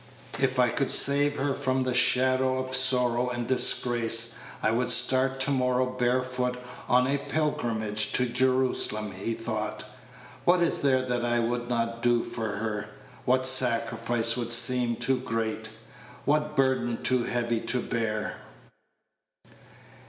"If I could save her from the shadow of sorrow or disgrace, I would start to morrow barefoot on a pilgrimage to Jerusalem," he thought. "What is there that I would not do for her? what sacrifice would seem too great? what burden too heavy to bear?"